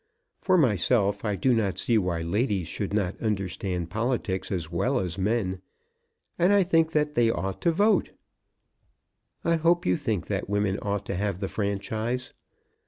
For myself I do not see why ladies should not understand politics as well as men; and I think that they ought to vote. I hope you think that women ought to have the franchise.